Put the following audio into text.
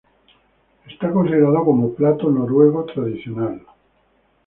Es considerado como plato noruego tradicional.